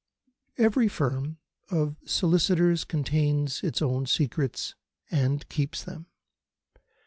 Every firm of solicitors contains its own secrets and keeps them.